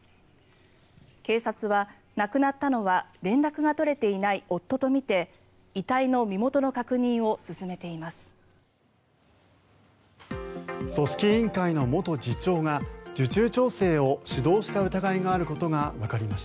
警察は、亡くなったのは連絡が取れていない夫とみて遺体の身元の確認を進めています。